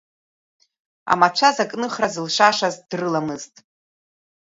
Амацәаз акныхра зылшашаз дрыламызт.